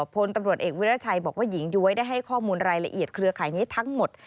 พลตำรวจเอกวิราชัยบอกว่าหญิงย้วยได้ให้ข้อมูลรายละเอียดเครือข่ายนี้ทั้งหมด